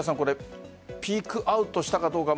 ピークアウトしたかどうか。